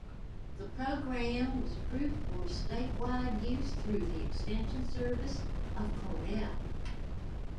The program was approved for statewide use through the extension service of Cornell.